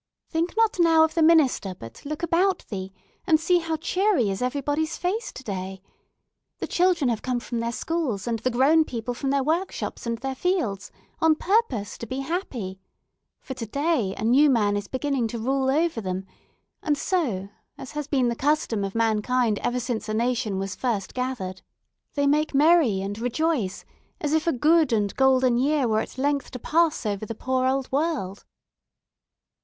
"Think not now of the minister, but look about thee, and see how cheery is everybody's face today. The children have come from their schools, and the grown people from their workshops and their fields, on purpose to be happy, for, today, a new man is beginning to rule over them; and so—as has been the custom of mankind ever since a nation was first gathered—they make merry and rejoice: as if a good and golden year were at length to pass over the poor old world!"